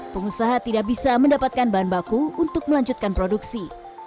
pengusaha tidak bisa mendapatkan bahan baku untuk melanjutkan produksi